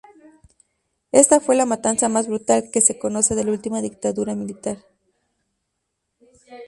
Esta fue la matanza más brutal que se conoce de la última dictadura militar.